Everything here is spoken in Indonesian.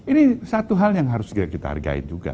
ini satu hal yang harus kita hargai juga